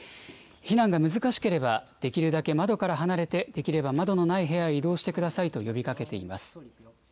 避難が難しければ、できるだけ窓から離れて、できれば窓のない部屋へ移動してくださいと呼びかけています。